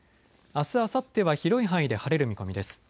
あす、あさっては広い範囲で晴れる見込みです。